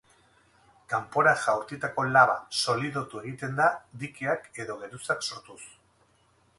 Kanpora jaurtitako laba solidotu egiten da dikeak edo geruzak sortuz.